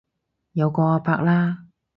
有個阿伯啦